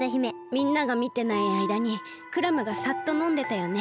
みんながみてないあいだにクラムがサッとのんでたよね。